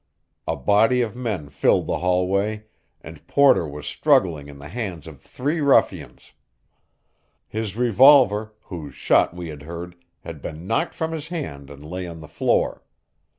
A body of men filled the hallway, and Porter was struggling in the hands of three ruffians. His revolver, whose shot we had heard, had been knocked from his hand and lay on the floor.